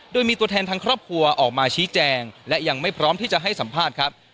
โดยมีตัวแทนทางครอบครัวออกมาชี้แจงและยังไม่พร้อมที่จะให้สัมภาษณ์ครับ